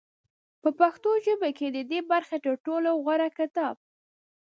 په پښتو ژبه کې د دې برخې تر ټولو غوره کتاب